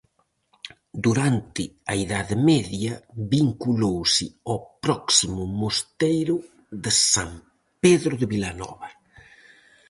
Durante a Idade Media vinculouse ao próximo mosteiro de San Pedro de Vilanova.